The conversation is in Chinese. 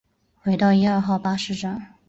回到一二号巴士站